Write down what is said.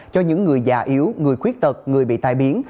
cho những người già yếu người khuyết tật người bị tai biến